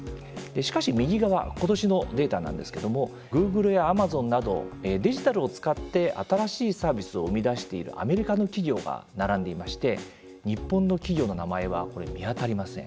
しかし、右側ことしのデータなんですけどもグーグルやアマゾンなどデジタルを使って新しいサービスを生み出しているアメリカの企業が並んでいまして日本の企業の名前は見当たりません。